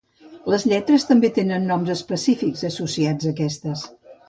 Les lletres també tenen noms específics associats a aquestes.